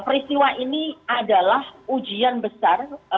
peristiwa ini adalah ujian besar